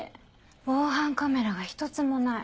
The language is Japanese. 防犯カメラが１つもない